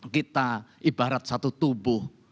kita ibarat satu tubuh